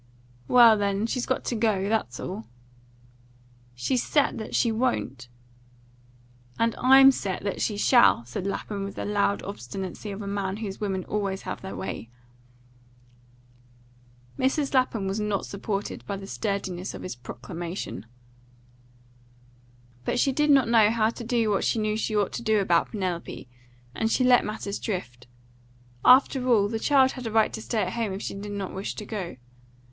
"Well, then, she's got to go, that's all." "She's set she won't." "And I'm set she shall," said Lapham with the loud obstinacy of a man whose women always have their way. Mrs. Lapham was not supported by the sturdiness of his proclamation. But she did not know how to do what she knew she ought to do about Penelope, and she let matters drift. After all, the child had a right to stay at home if she did not wish to go.